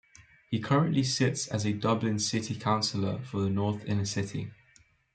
He currently sits as a Dublin City Councillor for the North Inner City.